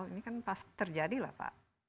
ini kan pasti terjadi lah pak